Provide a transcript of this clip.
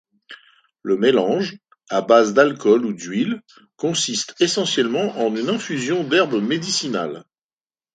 Le mélange, à base d'alcool ou d'huile, consiste essentiellement en une infusion d'herbes médicinales.